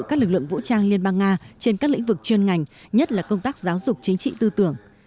các lực lượng vũ trang liên bang nga trên các lĩnh vực chuyên ngành nhất là công tác giáo dục chính trị tư tưởng